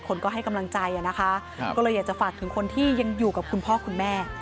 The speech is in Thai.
คนก็ให้กำลังใจอ่ะนะคะก็เลยอยากจะฝากถึงคนที่ยังอยู่กับคุณพ่อคุณแม่